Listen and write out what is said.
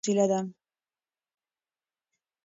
سیاست د خلکو د ګډ ژوند د تنظیم وسیله ده